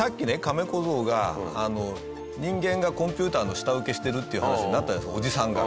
カメ小僧が人間がコンピューターの下請けしてるっていう話になったじゃないですか。